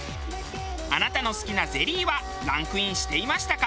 あなたの好きなゼリーはランクインしていましたか？